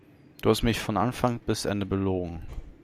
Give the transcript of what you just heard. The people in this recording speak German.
Du hast mich von Anfang bis Ende belogen.